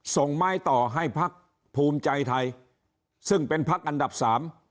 ส่งไม้ต่อให้พักภูมิใจไทยซึ่งเป็นพักอันดับสาม